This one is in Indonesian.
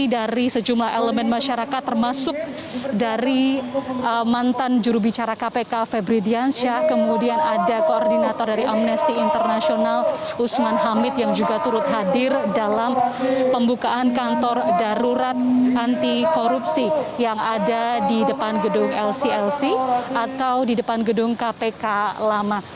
dari sejumlah elemen masyarakat termasuk dari mantan jurubicara kpk febri diansyah kemudian ada koordinator dari amnesty international usman hamid yang juga turut hadir dalam pembukaan kantor darurat anti korupsi yang ada di depan gedung lclc atau di depan gedung kpk lama